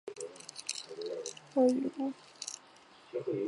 嘉庆二十年。